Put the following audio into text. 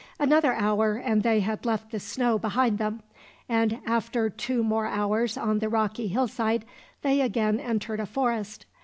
Another hour, and they had left the snow behind them; and after two more hours on the rocky hillside, they again entered a forest.